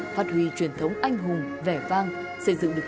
phát huy truyền thống anh hùng vẻ vang